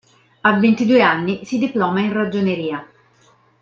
A ventidue anni si diploma in ragioneria.